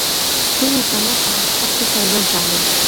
ټول انسانان په حقیقت کي سره یو شان دي.